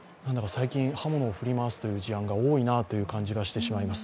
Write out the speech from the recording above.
最近、刃物を振り回すという事案が多いなと感じてしまいます。